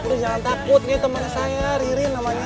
lu jangan takut nih temen saya ririn namanya